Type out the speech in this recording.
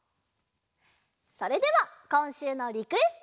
それではこんしゅうのリクエスト！